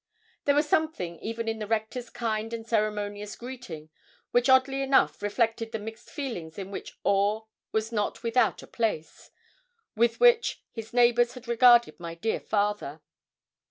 There was something even in the Rector's kind and ceremonious greeting which oddly enough reflected the mixed feelings in which awe was not without a place, with which his neighbours had regarded my dear father.